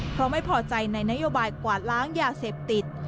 เพราะไม่พอใจในนโยบายกวาดล้างยาเสพติด